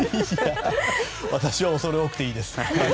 私は恐れ多くていいです。